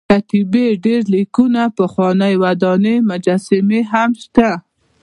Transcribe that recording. کتیبې ډبر لیکونه پخوانۍ ودانۍ مجسمې هم شته.